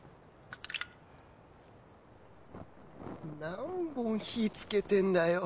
何本火つけてんだよ